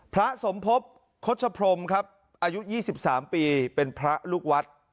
พระสมภพชพรมครับอายุ๒๓ปีเป็นพระลูกวัด